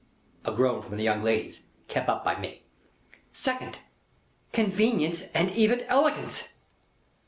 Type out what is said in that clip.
A groan from the young ladies, kep' up by me. "Second: convenience, and even elegance."